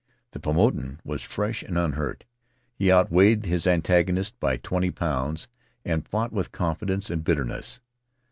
The Paumotan was fresh and unhurt; he outweighed his antagonist by twenty pounds, and fought with confidence and bitter ness.